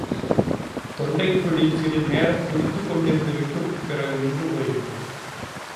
தொண்டைக் குழி சிறிது நேரம் துடித்துக் கொண்டிருந்து விட்டுப் பிறகு நின்று போய்விட்டது.